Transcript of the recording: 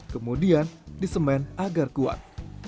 kemudian disemen agar kuat